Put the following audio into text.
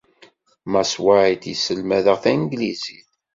Mass White yesselmad-aɣ tanglizit.